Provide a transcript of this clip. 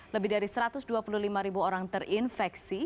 lebih dari satu ratus dua puluh lima ribu orang terinfeksi